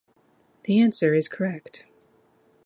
The answer is correct.